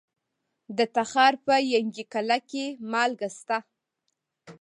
د تخار په ینګي قلعه کې مالګه شته.